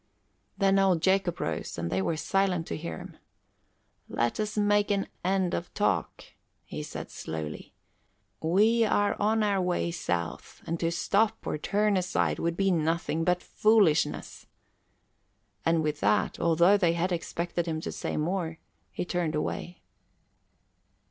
Then old Jacob rose and they were silent to hear him. "Let us make an end of talk," said he slowly. "We are on our way south and to stop or turn aside would be nothing but foolishness." And with that, although they had expected him to say more, he turned away.